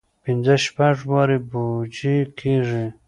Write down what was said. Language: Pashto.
پنځه شپږ وارې پوجي کېږي.